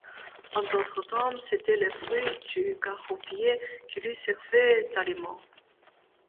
En d'autres temps, c'était les fruits du caroubier qui lui servaient d’aliments.